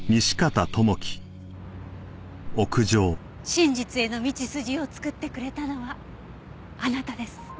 真実への道筋を作ってくれたのはあなたです桃井刑事。